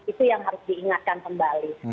itu yang harus diingatkan kembali